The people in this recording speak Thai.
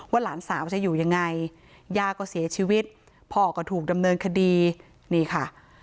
หลานสาวจะอยู่ยังไงย่าก็เสียชีวิตพ่อก็ถูกดำเนินคดีนี่ค่ะ